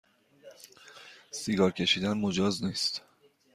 سیگار کشیدن مجاز نیست